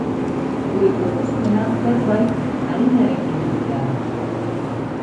Gure proposamena zerbait arinarekin hastea da.